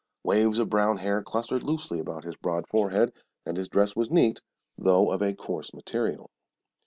Waves of brown hair clustered loosely about his broad forehead, and his dress was neat, though of a coarse material.